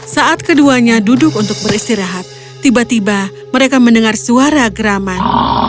saat keduanya duduk untuk beristirahat tiba tiba mereka mendengar suara geraman